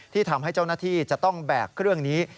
ที่ทำให้เจ้าหน้าที่จะต้องแบกเครื่องนี้